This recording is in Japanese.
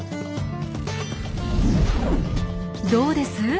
どうです？